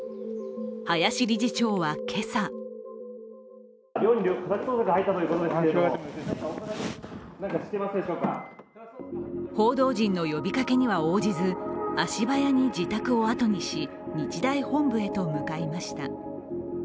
林理事長は今朝報道陣の呼びかけには応じず、足早に自宅をあとにし、日大本部へと向かいました。